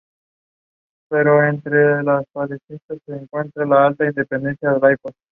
Dedicó sus últimos años a la docencia en Durango.